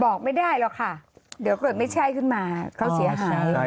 บอกไม่ได้หรอกค่ะเดี๋ยวเกิดไม่ใช่ขึ้นมาเขาเสียหาย